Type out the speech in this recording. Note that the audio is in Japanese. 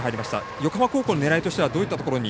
横浜高校の狙いとしてはどういったところに？